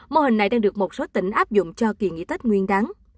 mô hình này đang được một số tỉnh áp dụng cho kỳ nghỉ tết nguyên đáng